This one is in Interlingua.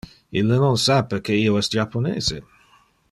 Ille non sape que io es japonese.